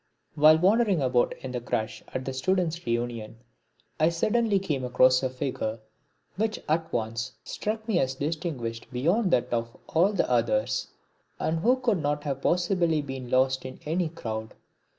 While wandering about in the crush at the Students' reunion, I suddenly came across a figure which at once struck me as distinguished beyond that of all the others and who could not have possibly been lost in any crowd.